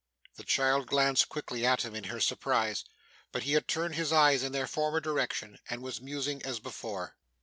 The child glanced quickly at him in her surprise, but he had turned his eyes in their former direction, and was musing as before.